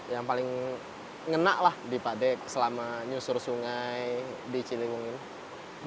yang paling ngenaklah di pak d selama nyusur sungai di cilingung ini